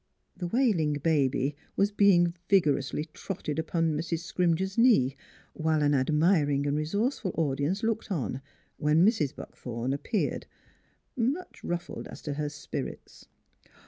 The wailing baby was being vigorously trotted upon Mrs. Scrimger's knee, while an admiring and resourceful audience looked on, when Mrs. Buckthorn reappeared, much ruffled as to her spirits.